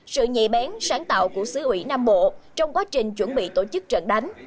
sự nhẹ bén sáng tạo của xứ ủy nam bộ trong quá trình chuẩn bị tổ chức trận đánh